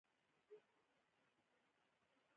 خو دلته بيا بل غم و.